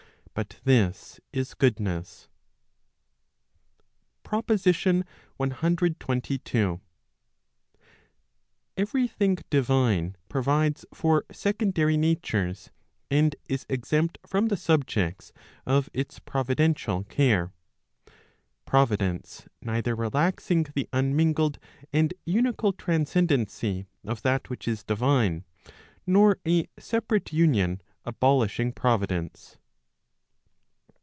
But this is goodness. PROPOSITION CXXII. Every thing divine provides for secondary natures, and is exempt from the subjects of its providential care, providence neither relaxing the unmingled and unical transcendency of that which is divine, nor a sepa¬ rate union abolishing providence.